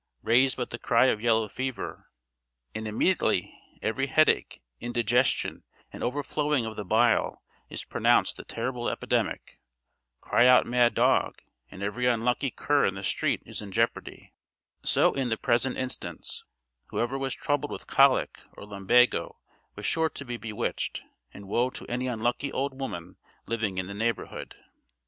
Raise but the cry of yellow fever, and immediately every headache, indigestion, and overflowing of the bile is pronounced the terrible epidemic; cry out mad dog, and every unlucky cur in the street is in jeopardy; so in the present instance, whoever was troubled with colic or lumbago was sure to be bewitched; and woe to any unlucky old woman living in the neighborhood.